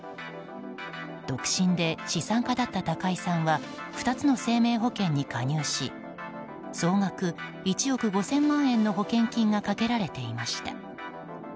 独身で資産家だった高井さんは２つの生命保険に加入し総額１億５０００万円の保険金がかけられていました。